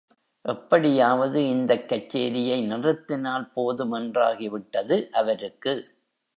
எப்படியாவது இந்தக் கச்சேரியை, நிறுத்தினால் போதும் என்றாகி விட்டது அவருக்கு.